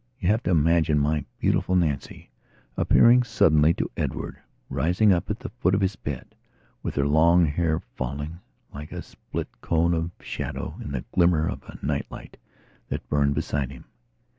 You have to imagine my beautiful Nancy appearing suddenly to Edward, rising up at the foot of his bed, with her long hair falling, like a split cone of shadow, in the glimmer of a night light that burned beside him.